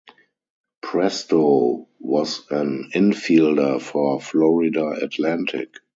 Presto was an infielder for Florida Atlantic.